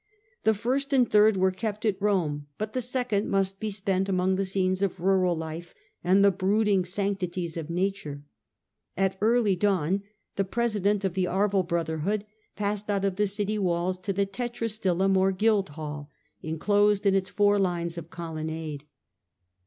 The first and third were kept at Rome, but the second festival, must be spent among the scenes of rural life Act^Frat. and the brooding sanctities of Nature. At early dawn the president passed out of the city walls to the Tetrastylum or Guildhall, enclosed in its four lines of colonnade.